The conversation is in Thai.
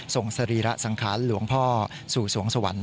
สรีระสังขารหลวงพ่อสู่สวงสวรรค์